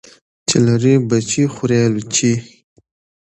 چی لری بچي خوري الوچی .